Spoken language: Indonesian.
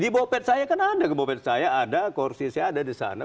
di bopet saya kan ada di bopet saya ada kursi saya ada di sana kursi saya ada di sana